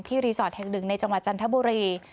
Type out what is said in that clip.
ที่รีสอร์ทแท็ก๑ในจังหวัดจันทบุรี